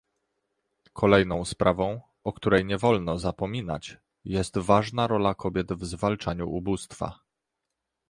Kolejną sprawą, o której nie wolno zapominać, jest ważna rola kobiet w zwalczaniu ubóstwa